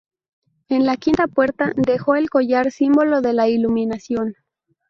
En la quinta puerta, dejó el collar, símbolo de la iluminación.